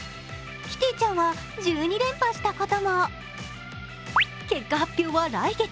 キティちゃんは、１２連覇したことも結果発表は来月。